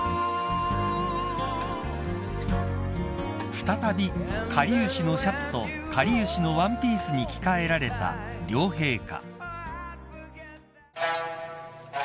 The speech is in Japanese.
［再びかりゆしのシャツとかりゆしのワンピースに着替えられた両陛下］